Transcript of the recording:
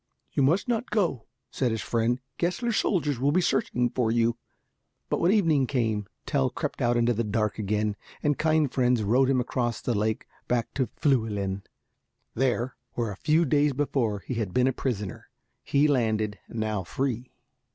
"You must not go," said his friend, "Gessler's soldiers will be searching for you." But when evening came Tell crept out into the dark again, and kind friends rowed him across the lake back to Flüelen. There, where a few days before he had been a prisoner, he landed, now free.